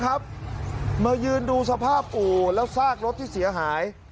มายืนดูสภาพอู่แล้วซากรถที่เสียหาย